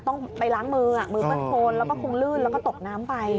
ต้องไปล้างมือมือเปื้อนโคนแล้วก็คงลื่นแล้วก็ตกน้ำไป